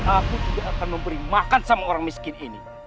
aku tidak akan memberi makan sama orang miskin ini